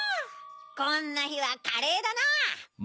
こんなひはカレーだな！